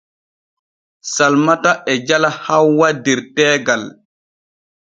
Salmata e jala Hawwq der teegal.